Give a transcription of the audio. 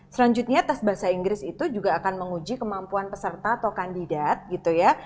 selanjutnya tes bahasa inggris itu juga akan menguji kemampuan peserta atau kandidat gitu ya